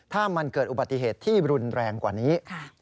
ถ้ามันเกิดอุบัติเหตุที่รุนแรงกว่านี้